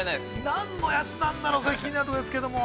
◆何のやつなんだろ、それ気になるところですけれども。